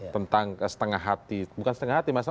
tentang setengah hati bukan setengah hati